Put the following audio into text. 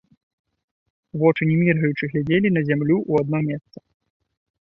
Вочы не міргаючы глядзелі на зямлю ў адно месца.